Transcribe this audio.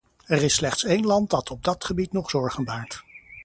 Er is slechts één land dat op dat gebied nog zorgen baart.